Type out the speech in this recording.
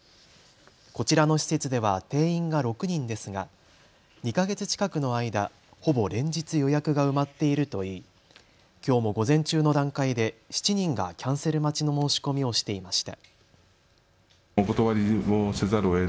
こちらの施設では定員が６人ですが２ヶ月近くの間、ほぼ連日、予約が埋まっているといいきょうも午前中の段階で７人がキャンセル待ちの申し込みをしていました。